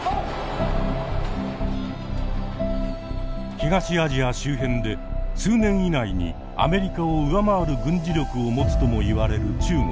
東アジア周辺で数年以内にアメリカを上回る軍事力を持つともいわれる中国。